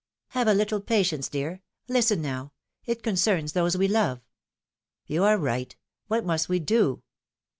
'^ Have a little patience, dear ; listen now — it concerns those we love !" You are right. What must we do